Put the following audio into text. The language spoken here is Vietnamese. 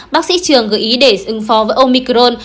bác sĩ trường gợi ý để ứng phó với omicron